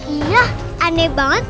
iya aneh banget